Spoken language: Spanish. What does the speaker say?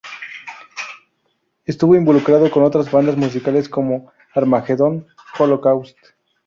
Estuvo involucrado con otras bandas musicales como Armageddon Holocaust.